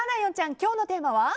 今日のテーマは？